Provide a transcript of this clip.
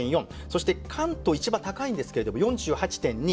そして関東一番高いんですけれども４８．２。